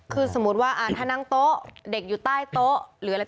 คือสมมุติว่าถ้านั่งโต๊ะเด็กอยู่ใต้โต๊ะหรืออะไร